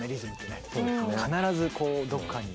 必ずこうどっかに。